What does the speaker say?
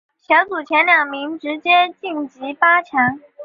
小组前两名直接晋级八强。